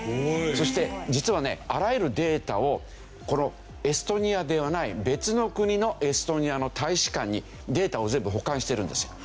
そして実はねあらゆるデータをこのエストニアではない別の国のエストニアの大使館にデータを全部保管してるんですよ。